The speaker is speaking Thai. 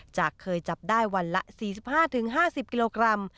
เคยจับได้วันละ๔๕๕๐กิโลกรัม